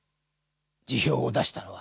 辞表を出したのは。